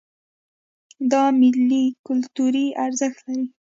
دا میلې کلتوري ارزښت لري.